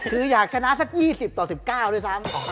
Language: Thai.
คืออยากชนะสัก๒๐ต่อ๑๙ด้วยซ้ำ